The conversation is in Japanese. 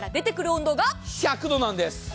１００度なんです。